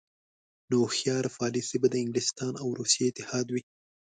نو هوښیاره پالیسي به د انګلستان او روسیې اتحاد وي.